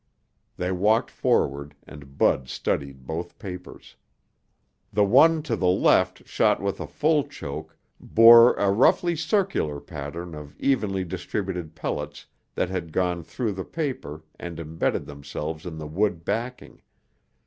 They walked forward and Bud studied both papers. The one to the left shot with a full choke bore a roughly circular pattern of evenly distributed pellets that had gone through the paper and imbedded themselves in the wood backing.